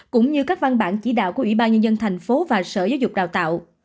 cũng như các văn bản chỉ đạo của ủy ban nhân dân thành phố và sở giáo dục đào tạo